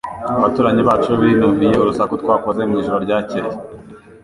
Abaturanyi bacu binubiye urusaku twakoze mu ijoro ryakeye